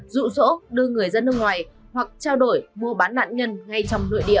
rụ rỗ đưa người dân nước ngoài hoặc trao đổi mua bán nạn nhân ngay trong nội địa